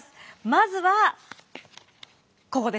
まずはここですね。